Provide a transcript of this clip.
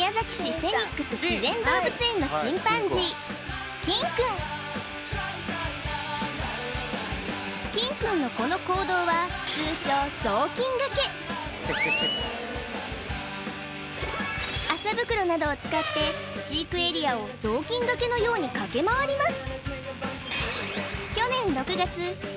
フェニックス自然動物園のチンパンジーキンくんキンくんのこの行動は通称麻袋などを使って飼育エリアを雑巾がけのように駆け回ります